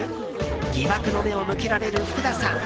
疑惑の目を向けられる福田さん